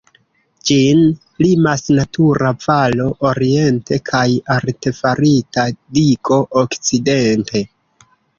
Ĝin limas natura valo oriente kaj artefarita digo okcidente.